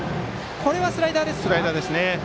今のはスライダーですかね。